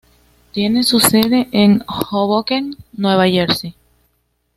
Tiene su sede en Hoboken, Nueva Jersey.